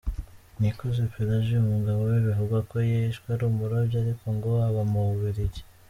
Nikuze Pelagie, umugabo we bivugwa ko yishwe ari umurobyi ariko ngo aba mu Bubiligi